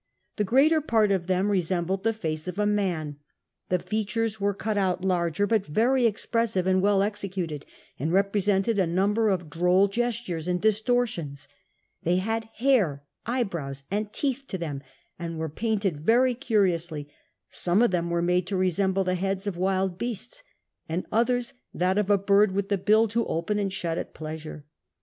The greater part of them resembled the face of a nitin ; tho features w'ere cut out larger, but very expressive and wtdl excciitcMl, and rc])resented a number of droll gestures and distortions ; they liad hair eyebrows find teeth to thoni, find were jwiintejl very curiously; some of them were made to resemble tin*, liofids of wild beasts ; and others that of a bird with the bill to open and shut at ])leasure.